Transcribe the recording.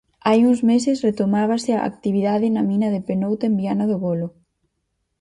Hai uns meses retomábase a actividade na mina de Penouta en Viana do Bolo.